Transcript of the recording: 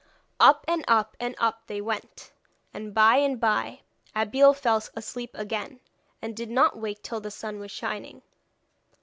Up, and up, and up they went; and by and by Abeille fell asleep again, and did not wake till the sun was shining.